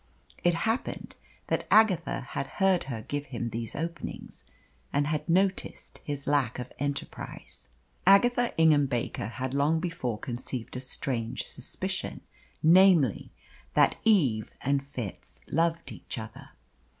It happened that Agatha had heard her give him these openings, and had noticed his lack of enterprise. Agatha Ingham Baker had long before conceived a strange suspicion namely, that Eve and Fitz loved each other.